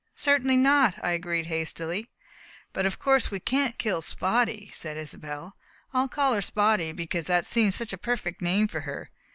"Certainly not!" I agreed hastily. "But of course we can't kill Spotty," said Isobel. "I call her Spotty because that seems such a perfect name for her.